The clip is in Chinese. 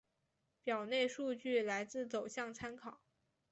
表内数据来自走向参考